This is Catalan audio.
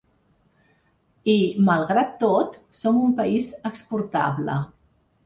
I, malgrat tot, som un país exportable.